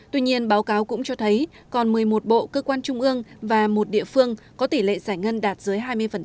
tuy nhiên báo cáo cũng cho thấy còn một mươi một bộ cơ quan trung ương và một địa phương có tỷ lệ giải ngân đạt dưới hai mươi